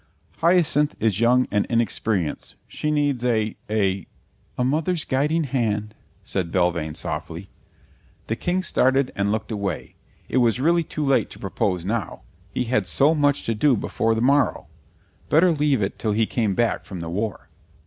"Hyacinth is young and inexperienced. She needs a a " "A mother's guiding hand," said Belvane softly. The King started and looked away. It was really too late to propose now; he had so much to do before the morrow. Better leave it till he came back from the war.